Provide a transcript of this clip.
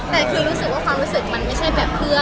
แต่คือรู้สึกว่าความรู้สึกมันไม่ใช่แบบเพื่อน